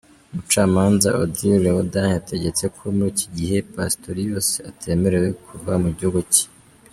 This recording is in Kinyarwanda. Umucamanza Audrey Ledwaba, yategetse ko muri iki gihe Pistorius atemerewe kuva mu gihugu cye.